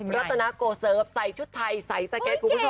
รัฐนากโกเซิร์ฟใส่ชุดไทยใสสะเก็ดอ๋อเหือนไหว